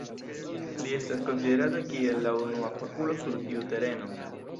Li estas konsiderata kiel la unua fakulo sur tiu tereno.